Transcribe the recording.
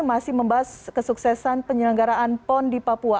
masih membahas kesuksesan penyelenggaraan pon di papua